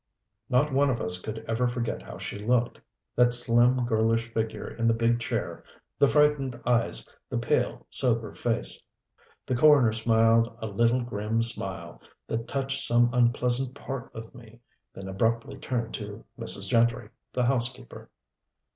Not one of us could ever forget how she looked that slim, girlish figure in the big chair, the frightened eyes, the pale, sober face. The coroner smiled, a little, grim smile that touched some unpleasant part of me, then abruptly turned to Mrs. Gentry, the housekeeper.